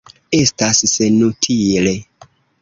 Estas senutile.